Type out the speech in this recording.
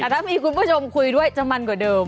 แต่ถ้ามีคุณผู้ชมคุยด้วยจะมันกว่าเดิม